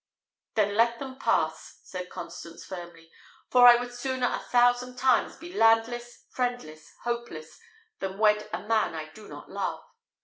"Then let them pass," said Constance, firmly; "for I would sooner a thousand times be landless, friendless, hopeless, than wed a man I do not love."